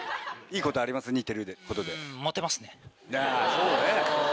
そうね。